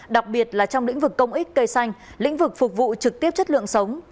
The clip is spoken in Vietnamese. đặc biệt là trong lĩnh vực công ích cây xanh lĩnh vực phục vụ trực tiếp chất lượng sống